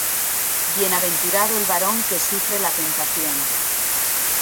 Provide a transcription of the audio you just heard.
Bienaventurado el varón que sufre la tentación;